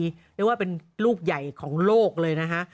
เรียกว่าเป็นลูกใหญ่ของโลกเลยนะฮะ